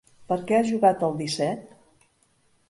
Per què has jugat al disset?